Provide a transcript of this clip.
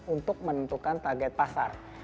untuk menentukan target pasar